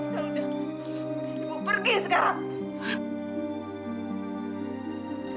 yaudah ibu pergi sekarang